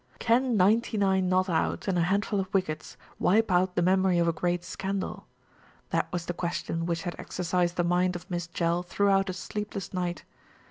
Can ninety nine not out and a handful of wickets wipe out the memory of a great scandal? That was the question which had exercised the mind of Miss Jell throughout a sleepless night.